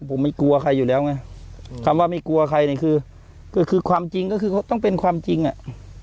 ผมไม่กลัวใครอยู่แล้วไงคำว่าไม่กลัวใครเนี่ยคือก็คือความจริงก็คือเขาต้องเป็นความจริงอ่ะ